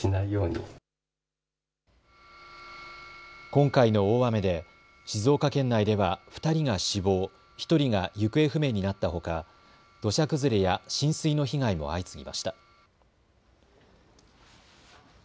今回の大雨で静岡県内では２人が死亡、１人が行方不明になったほか土砂崩れや浸水の被害も相次ぎました。